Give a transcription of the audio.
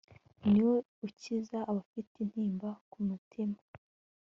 ni we ukiza abafite intimba ku mutima